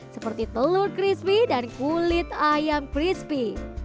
seperti telur crispy dan kulit ayam crispy